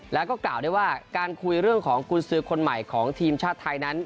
แล้วก็กล่าวได้ว่าการคุยเรื่องของกุญสือคนใหม่ของทีมชาติไทยนั้น